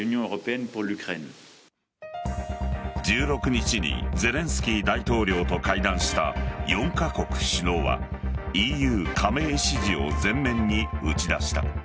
１６日にゼレンスキー大統領と会談した４カ国首脳はＥＵ加盟支持を前面に打ち出した。